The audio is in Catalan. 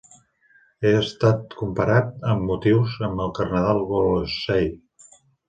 Ha estat comparat, amb motius, amb el Cardenal Wolsey.